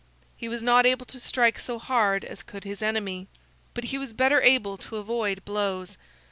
He was not able to strike so hard as could his enemy, but he was better able to avoid blows.